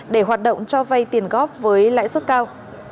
để hoạt động cho vay tiền góp với lãi suất cao